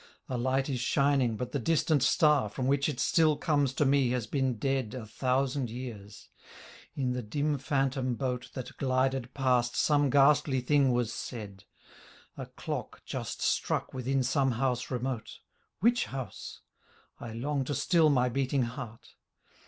A light is shining but the distant star From which it still comes to me has been dead A thousand years ... In the dim phantom boat That glided past some ghastly thing was said. A clock just struck within some house remote. Which house? — I long to still my beating heart.